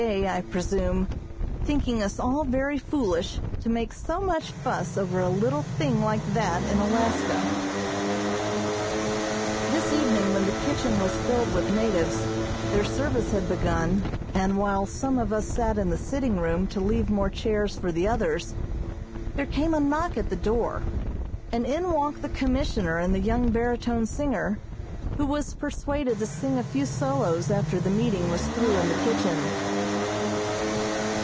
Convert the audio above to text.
I presume, thinking us all very foolish to make so much fuss over a little thing like that in Alaska. This evening, when the kitchen was filled with natives, their service had begun, and while some of us sat in the sitting room to leave more chairs for the others, there came a knock at the door, and in walked the Commissioner and the young baritone singer, who was persuaded to sing a few solos after the meeting was through in the kitchen.